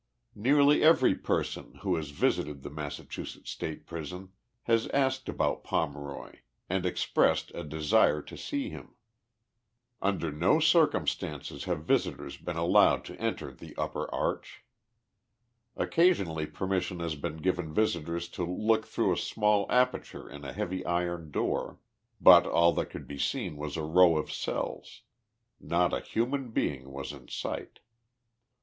Nearly every person, who has visited the Massachusetts State Prison, has asked about Pomeroy and expressed a desire to see him. Under no circumstances have visitors been allowed 70 THE LIFE OF JESSE HARDIXG POMEROY. to enter the upper arch. Occasionally permission has been given visitors to look through a small aperture in a heavy iron door, but all that could be seen was a row of cells. Xot a human being was in sight.